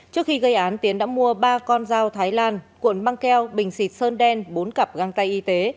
trước khi gây án tiến đã mua ba con dao thái lan cuộn băng keo bình xịt sơn đen bốn cặp găng tay y tế